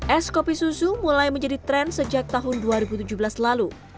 es kopi susu mulai menjadi tren sejak tahun dua ribu tujuh belas lalu